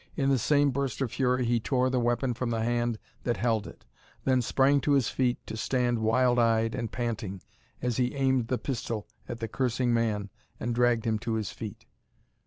In the same burst of fury he tore the weapon from the hand that held it; then sprang to his feet to stand wild eyed and panting is he aimed the pistol at the cursing man and dragged him to his feet.